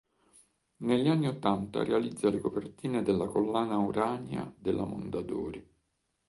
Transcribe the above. Negli anni ottanta realizza le copertine della collana Urania della Mondadori.